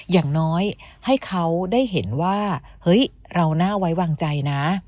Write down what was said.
อย่างน้อยให้เขาได้เห็นว่าเฮ้ยเราน่าไว้วางใจนะ